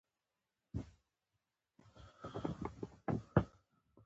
احمدشاه بابا د تاریخ یو ژوندی باب دی.